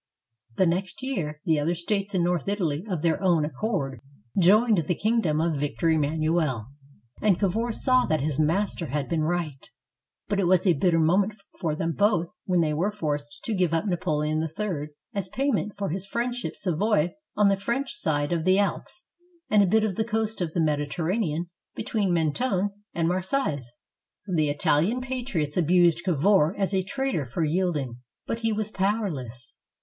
The next year, the other states in North Italy of their own accord joined the kingdom of Victor Emmanuel, and Cavour saw that his master had been right. But it was a bitter moment for them both when they were forced 130 HOW ITALY BECAME A UNITED COUNTRY to give up to Napoleon III as payment for his friend ship Savoy on the French side of the Alps and a bit of the coast of the Mediterranean between Mentone and Marseilles. The ItaUan patriots abused Cavour as a traitor for yielding, but he was powerless.